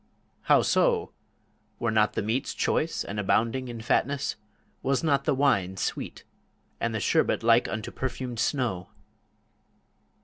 "How so? Were not the meats choice and abounding in fatness? Was not the wine sweet, and the sherbet like unto perfumed snow?"